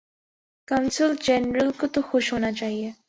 قونصل جنرل کو تو خوش ہونا چاہیے۔